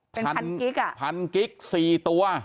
เป็นพันคลิปพันคลิป๔ตัว